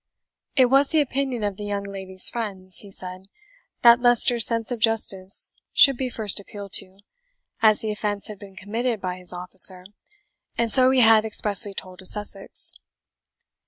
"It was the opinion of the young lady's friends," he said, "that Leicester's sense of justice should be first appealed to, as the offence had been committed by his officer, and so he had expressly told to Sussex."